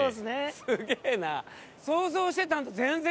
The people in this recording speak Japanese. すげえな！